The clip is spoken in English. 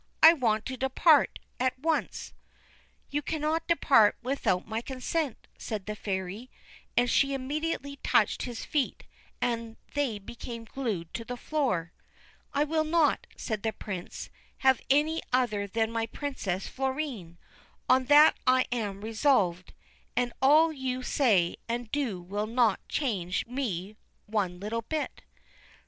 I want to depart at once.' 'You cannot depart without my consent, said the Fairy, and she immediately touched his feet and they became glued to the floor. ' I will not,' said the Prince, ' have any other than my Princess Florine ; on that I am resolved, and all you say and do will not change me one little bit.'